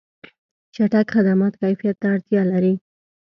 چټک خدمات کیفیت ته اړتیا لري.